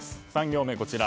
３行目。